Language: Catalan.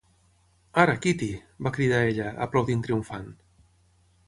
"Ara, Kitty!", va cridar ella, aplaudint triomfant.